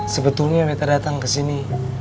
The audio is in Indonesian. sebetulnya beta datang kesini